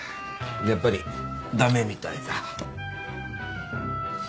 やっぱり駄目みたいだ。